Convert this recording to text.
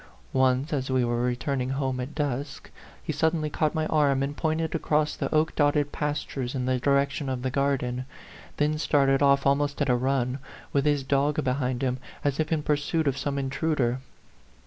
Once, as we were O / returning home at dusk, he suddenly caught my arm and pointed across the oak dotted pastures in the direction of the garden, then started off almost at a run, with his dog behind him, as if in pursuit of some in truder.